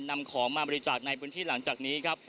นำของมาบริจาคในพื้นที่หลังจากนี้ครับ